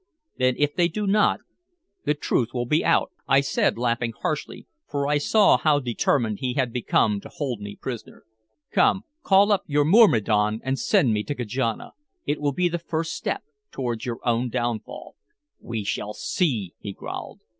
"Then if they do not, the truth will be out," I said laughing harshly, for I saw how determined he had become to hold me prisoner. "Come, call up your myrmidon and send me to Kajana. It will be the first step towards your own downfall." "We shall see," he growled.